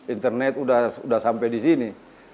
internet sudah sampai di sini